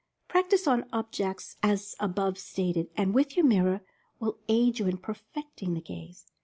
Practice on objects as above stated, and with your mirror, will aid you in perfecting the gaze.